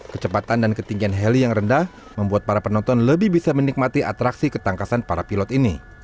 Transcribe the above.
kecepatan dan ketinggian heli yang rendah membuat para penonton lebih bisa menikmati atraksi ketangkasan para pilot ini